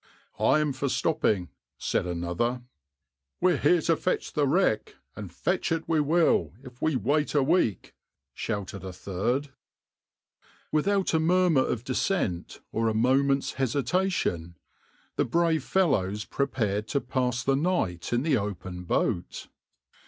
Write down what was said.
\par "I'm for stopping," said another.\par "We're here to fetch the wreck, and fetch it we will, if we wait a week," shouted a third.\par Without a murmur of dissent or a moment's hesitation, the brave fellows prepared to pass the night in the open boat.